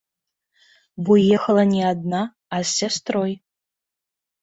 Бо ехала не адна, а з сястрой.